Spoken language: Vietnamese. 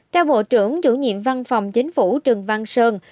theo bộ trưởng chủ nhiệm văn phòng chính phủ trần văn sơn